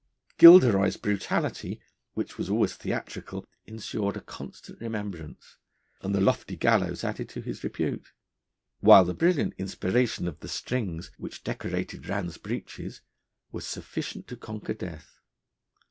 Gilderoy's brutality, which was always theatrical, ensured a constant remembrance, and the lofty gallows added to his repute; while the brilliant inspiration of the strings, which decorated Rann's breeches, was sufficient to conquer death.